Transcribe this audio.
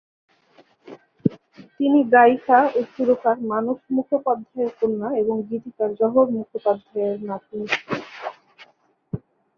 তিনি গায়িকা ও সুরকার মানস মুখোপাধ্যায়ের কন্যা এবং গীতিকার জহর মুখোপাধ্যায়ের নাতনি।